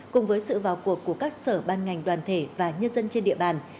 cùng với sự vào cuộc của các sở ban ngành đoàn thể và nhân dân trên địa bàn